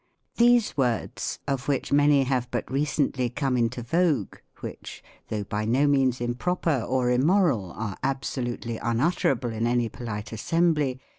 These words, of which many have but recently come into vogue, which, though by no means improper or immoral, are absolutely unutterable in any polite as sembly.